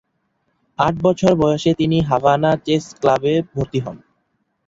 আট বছর বয়সে তিনি হাভানা চেস ক্লাবে ভর্তি হন।